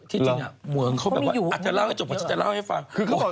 ที่จริงเหมืองเขาแบบว่าอาจจะเล่าให้ฟัง